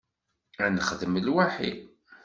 Ad nexdem lwaḥi.